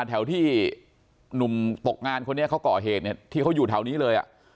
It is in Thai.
แถวที่หนุ่มตกงานคนนี้เขาก่อเหตุเนี่ยที่เขาอยู่แถวนี้เลย